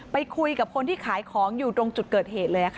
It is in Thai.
ไปคุยกับคนที่ขายของอยู่ตรงจุดเกิดเหตุเลยค่ะ